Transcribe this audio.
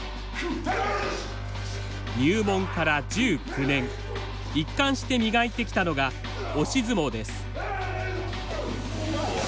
入門から１９年一貫して磨いてきたのが押し相撲です。